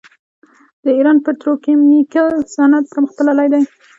د ایران پتروکیمیکل صنعت پرمختللی دی.